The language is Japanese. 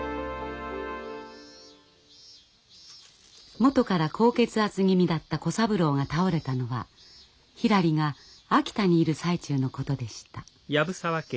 元から高血圧気味だった小三郎が倒れたのはひらりが秋田にいる最中のことでした。